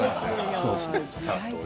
そうですね。